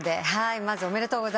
まずおめでとうございます。